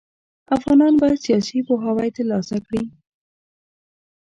افغانان بايد سياسي پوهاوی ترلاسه کړي.